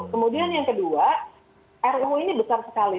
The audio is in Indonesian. kemudian yang kedua ruu ini besar sekali